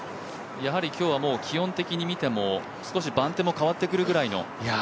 今日は気温的に見ても番手が変わってくるぐらいの？